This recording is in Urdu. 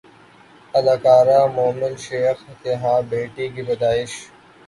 اداکارہ مومل شیخ کے ہاں بیٹی کی پیدائش